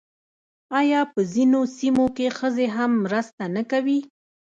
آیا په ځینو سیمو کې ښځې هم مرسته نه کوي؟